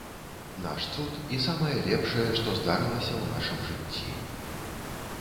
Наш цуд і самае лепшае, што здарылася ў нашым жыцці.